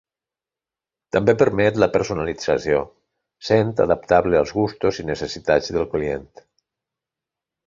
També permet la personalització, sent adaptable als gustos i necessitats del client.